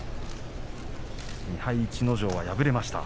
２敗逸ノ城は敗れました